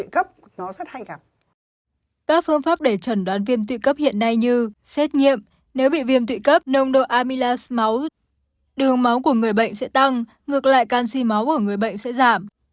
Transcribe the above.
các phương pháp để trần đoán viêm tự cấp hiện nay như xét nghiệm nếu bị viêm tụy cấp nồng độ amilas máu đường máu của người bệnh sẽ tăng ngược lại canxi máu của người bệnh sẽ giảm